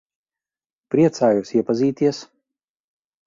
Priecājos iepazīties.